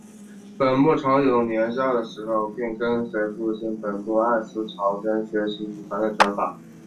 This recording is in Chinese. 本部朝勇年少的时候便跟随父亲本部按司朝真学习祖传的拳法。